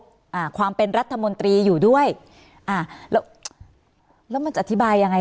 อ่าความเป็นรัฐมนตรีอยู่ด้วยอ่าแล้วแล้วมันจะอธิบายยังไง